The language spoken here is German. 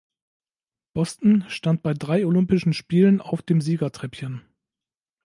Boston stand bei drei Olympischen Spielen auf dem Siegertreppchen.